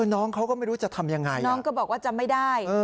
น้องเขาก็ไม่รู้จะทำยังไงน้องก็บอกว่าจำไม่ได้